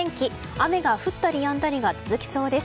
雨が降ったりやんだりが続きそうです。